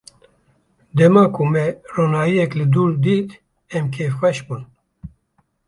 Dema ku me ronahiyek li dûr dît, em kêfxweş bûn.